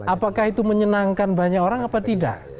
apakah itu menyenangkan banyak orang apa tidak